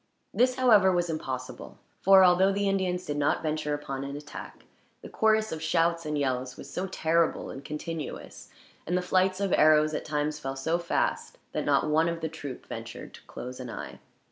This, however, was impossible; for although the Indians did not venture upon an attack, the chorus of shouts and yells was so terrible and continuous, and the flights of arrows at times fell so fast, that not one of the troop ventured to close an eye.